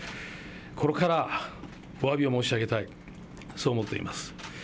心からおわびを申し上げたい、そう思っています。